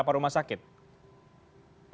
apakah memang sudah muncul